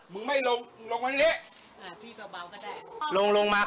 มึงไม่ลงลงมาที่นี้อ่าพี่ก็เบาก็ได้ลงลงมาครับ